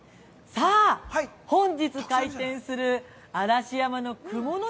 ◆さあ、本日開店する、嵐山の雲ノ